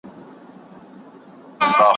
د باادبه انسان ژوند ښکلی وي.